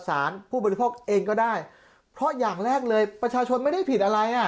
ผู้บริโภคเองก็ได้เพราะอย่างแรกเลยประชาชนไม่ได้ผิดอะไรอ่ะ